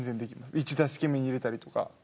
１打席目に入れたりとか。